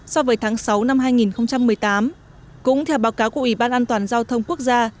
so với tháng sáu năm hai nghìn một mươi tám cũng theo báo cáo của ủy ban an toàn giao thông quốc gia